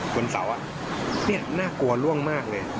บนเสานี่น่ากลัวล่วงมากเลย